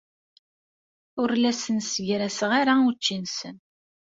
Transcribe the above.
Ur la asen-ssegraseɣ ara učči-nsen.